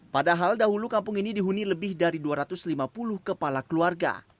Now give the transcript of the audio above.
padahal dahulu kampung ini dihuni lebih dari dua ratus lima puluh kepala keluarga